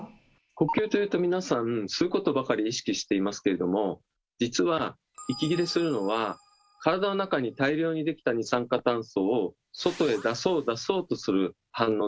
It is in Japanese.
呼吸というと皆さん吸うことばかり意識していますけれども実は息切れするのは体の中に大量にできた二酸化炭素を外へ出そう出そうとする反応でもあるんです。